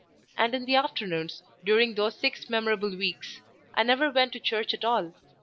And in the afternoons, during those six memorable weeks, I never went to church at all.